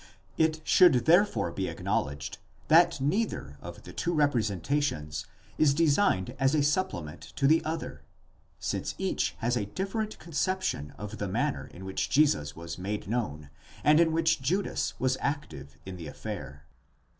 It should therefore be acknowledged that neither of the two representations is designed as a supplement to the other,* since each has a different conception of the manner in which Jesus was made known, and in which Judas was active in the affair.